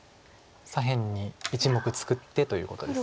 左辺に１目作ってということです。